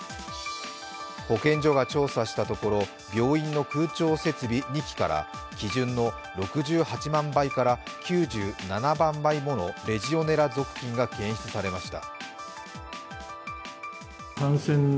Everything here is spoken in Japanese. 保健所が調査したところ病院の空調設備２基から基準の６８万倍から９７万倍ものレジオネラ属菌が検出されました。